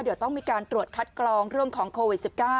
เดี๋ยวต้องมีการตรวจคัดกรองเรื่องของโควิด๑๙